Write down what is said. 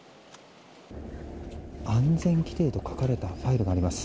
安全規定と書かれたファイルがあります。